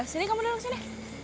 yaudah sini kamu duduk sini